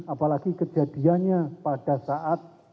apalagi kejadiannya pada saat